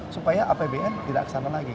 supaya apbn tidak kesana lagi